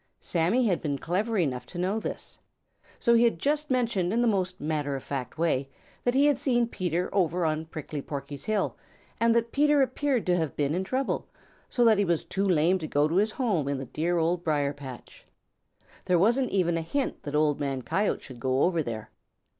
Sammy had been clever enough to know this. So he had just mentioned in the most matter of fact way that he had seen Peter over on Prickly Porky's hill and that Peter appeared to have been in trouble, so that he was too lame to go to his home in the dear Old Briar patch. There wasn't even a hint that Old Man Coyote should go over there.